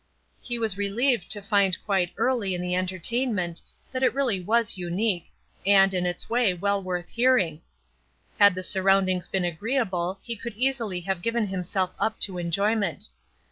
He was relieved to find quite early in the entertainment that it really was unique, and, in its way, well worth hearing. Had the surroundings been agreeable he could easily have given himself up to enjoyment.